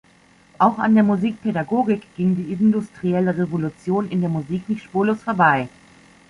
Auch an der Musikpädagogik ging die industrielle Revolution in der Musik nicht spurlos vorbei.